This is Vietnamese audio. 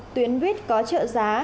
bốn tuyến buýt có trợ giá